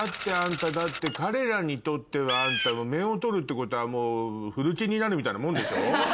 だって彼らにとってはお面を取るってことはもうフルチンになるみたいなもんでしょ？